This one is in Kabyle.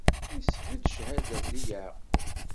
Isbedd cchada di Yeɛqub.